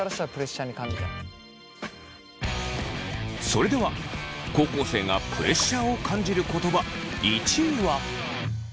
それでは高校生がプレッシャーを感じる言葉１位は。